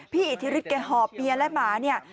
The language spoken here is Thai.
พี่อิทธิริชเก๋หอบเบียนและหมานี่